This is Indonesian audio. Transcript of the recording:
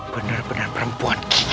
benar benar perempuan gila